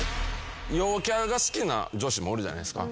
陽キャが好きな女子もおるじゃないですか。